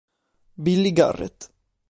Billy Garrett